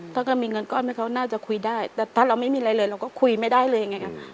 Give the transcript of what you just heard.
ถ้าก็มีเงินก้อนให้เขาน่าจะคุยได้แต่ถ้าเราไม่มีอะไรเลยเราก็คุยไม่ได้เลยไงค่ะ